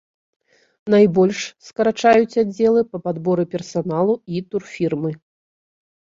Найбольш скарачаюць аддзелы па падборы персаналу і турфірмы.